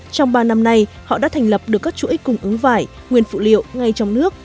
trong ba năm nay họ đã thành lập được các chuỗi cung ứng vải nguyên phụ liệu ngay trong nước